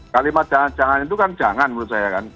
kalimat jangan itu kan jangan menurut saya kan